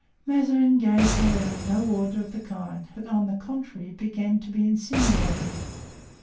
Mazarin gave, however, no order of the kind, but on the contrary began to be insinuating.